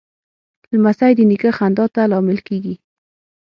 لمسی د نیکه خندا ته لامل کېږي.